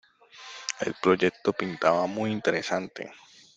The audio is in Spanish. El proyecto pintaba muy interesante.